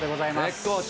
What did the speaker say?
絶好調。